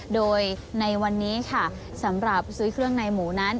โดยในวันนี้ค่ะสำหรับซื้อเครื่องในหมูนั้น